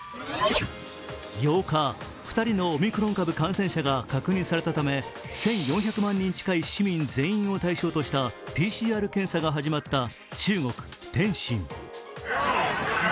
８日、２人のオミクロン株感染者が確認されたため１４００万人近い市民全員を対象としたＰＣＲ検査が始まった中国・天津。